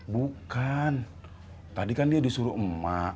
bukan tadi kan dia disuruh emak